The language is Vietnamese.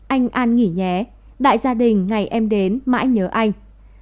anh an nghỉ đại gia đình ngày em đến mãi nhớ anh